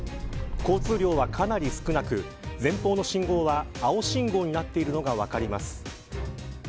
交通量はかなり少なく前方の信号は青信号になっているのが分かります。